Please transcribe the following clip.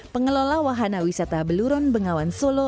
pengelola wahana wisata beluron bengawan solo